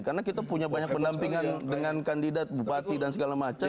karena kita punya banyak penampingan dengan kandidat bupati dan segala macam